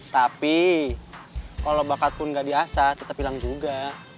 tapi kalo bakat pun ga diasa tetep hilang juga